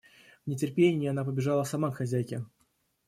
В нетерпении она побежала сама к хозяйке.